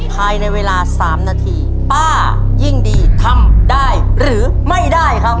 ภายในเวลาสามนาทีป้ายิ่งดีทำได้หรือไม่ได้ครับ